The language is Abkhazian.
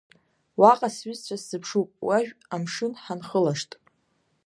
Уаҟа сҩызцәа сзыԥшуп, уажә амшын ҳанхылашт.